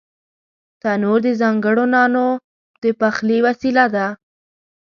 تنور د ځانگړو نانو د پخلي وسیله ده